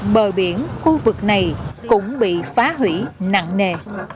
bờ biển khu vực này cũng bị phá hủy nặng nề